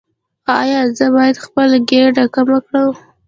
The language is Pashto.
ایا زه باید خپل ګیډه کمه کړم؟